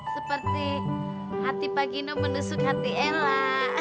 seperti hati pak gino menusuk hati ella